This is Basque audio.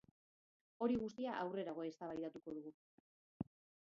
Hori guztia aurrerago eztabaidatuko dugu.